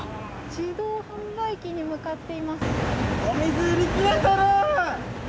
自動販売機に向かっています。